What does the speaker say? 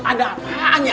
ada apaan ya